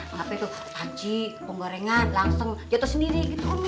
ngapain tuh aci penggorengan langsung jatuh sendiri gitu umi